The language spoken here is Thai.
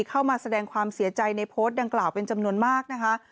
เข้ามาแสดงความเสียใจในโพสต์ดังกล่าวเป็นจำนวนมากนะคะ